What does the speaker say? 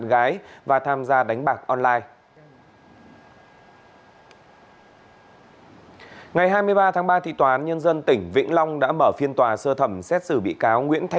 giảm gần ba ca so với ngày hôm qua